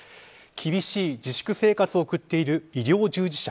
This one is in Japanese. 厳しい自粛生活を送っている医療従事者。